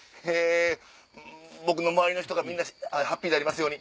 僕の周りの人がみんなハッピーでありますように。